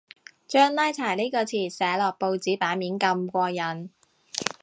將拉柴呢個詞寫落報紙版面咁過癮